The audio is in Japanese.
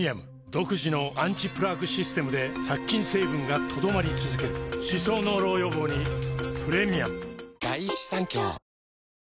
独自のアンチプラークシステムで殺菌成分が留まり続ける歯槽膿漏予防にプレミアム